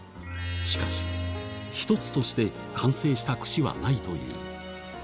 しかし、一つとして完成した串はないという。